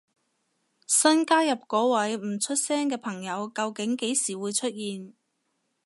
新加入嗰位唔出聲嘅朋友究竟幾時會出現？